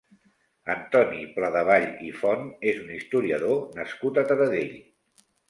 Antoni Pladevall i Font és un historiador nascut a Taradell.